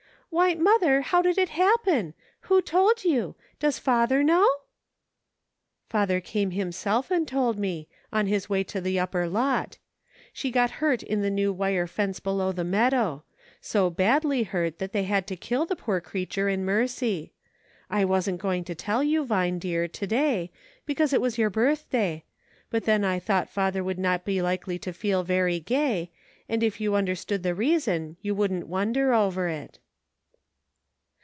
"Why, mother, how did it hap pen ? Who told you ? Does father know .'"" Father came himself and told me, on his way to the upper lot. She got hurt in the new wire fence below the meadow ; so badly hurt that they had to kill the poor creature in mercy. I wasn't going to tell you, Vine, dear, to day, since it was your birthday, but then I thought father would not be likely to feel very gay, and if you under stood the reason, you wouldn't wonder over it."